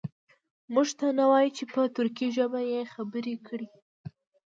موږ ته نه وایي چې په ترکي ژبه یې خبرې کړي.